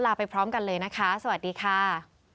ไปพร้อมกันเลยนะคะสวัสดีค่ะ